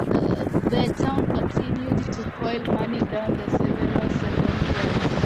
The town continued to coin money down to the time of Severus.